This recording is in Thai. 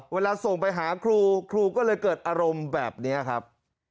เวลาส่งไปหาครูครูก็เลยเกิดอารมณ์แบบนี้ครับ